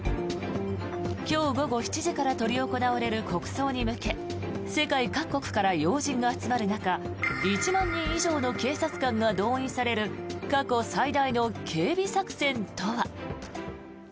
今日午後７時から執り行われる国葬に向け世界各国から要人が集まる中１万人以上の警察官が動員される過去最大の警備作戦とは。